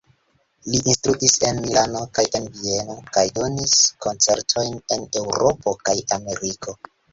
Li instruis en Milano kaj en Vieno kaj donis koncertojn en Eŭropo kaj Ameriko.